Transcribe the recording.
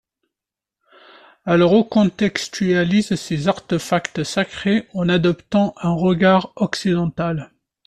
Elle recontextualise ces artefacts sacrés en adoptant un regard occidental.